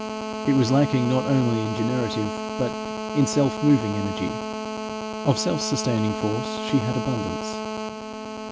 It was lacking not only in generative, but in self moving energy. Of self sustaining force she had abundance.